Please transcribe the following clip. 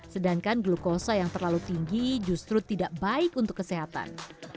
sedangkan glukosa yang terlalu tinggi justru tidak baik untuk kesehatan